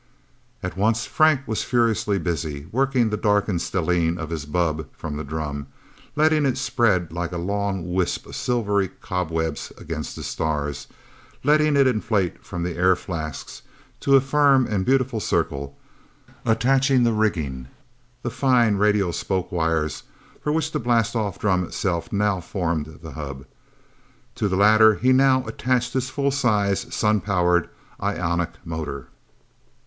At once Frank was furiously busy, working the darkened stellene of his bubb from the drum, letting it spread like a long wisp of silvery cobweb against the stars, letting it inflate from the air flasks to a firm and beautiful circle, attaching the rigging, the fine, radial spokewires for which the blastoff drum itself now formed the hub. To the latter he now attached his full size, sun powered ionic motor.